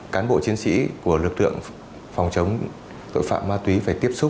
cán bộ chiến sĩ của lực lượng phòng chống tội phạm ma túy phải tiếp xúc